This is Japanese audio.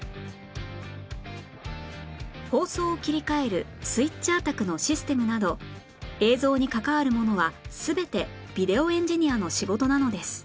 放送を切り替えるスイッチャー卓のシステムなど映像に関わるものは全てビデオエンジニアの仕事なのです